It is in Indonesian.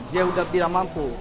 dia sudah tidak mampu